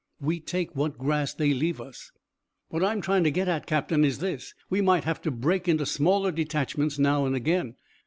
We take what grass they leave us. "What I'm trying to get at, captain, is this: We might have to break into smaller detachments now and again.